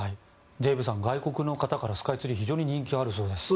デーブさん外国の方からスカイツリー非常に人気があるそうです。